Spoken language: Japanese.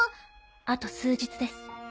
あと数日です。